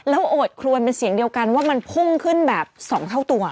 แล้วโอดคลวนเป็นเสียงเดียวกันว่ามันพุ่งขึ้นแบบ๒เท่าตัว